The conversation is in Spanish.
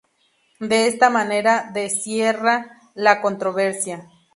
De esta manera de cierra la controversia.